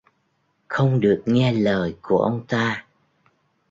Không được nghe lời của ông ta